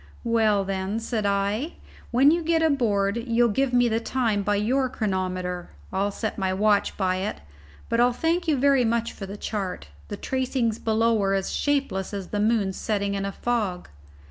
"Well then," said I, "if, when you get aboard, you'll give me the time by your chronometer, I'll set my watch by it; but I'll thank you very much for the chart. The tracings below are as shapeless as the moon setting in a fog."